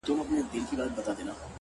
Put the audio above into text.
ځكه انجوني وايي له خالو سره راوتي يــو.